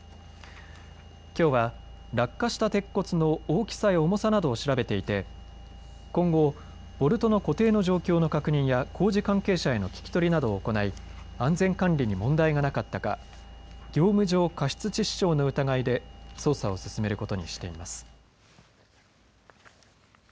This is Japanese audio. きょうは落下した鉄骨の大きさや重さなどを調べていて今後、ボルトの固定の状況の確認や工事関係者への聞き取りなどを行い安全管理に問題がなかったか、業務上過失致死傷の疑いで捜査を進めることにしています。